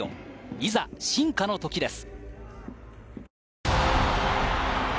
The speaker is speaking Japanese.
いざ、進化のときです。